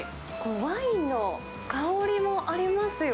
ワインの香りもありますよ。